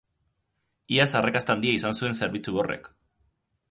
Iaz arrakasta handia izan zuen zerbitzu horrek.